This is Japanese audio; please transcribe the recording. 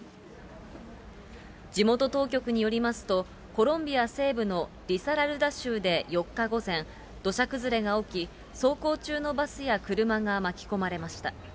地元当局によりますと、コロンビア西部のリサラルダ州で４日午前、土砂崩れが起き、走行中のバスや車が巻き込まれました。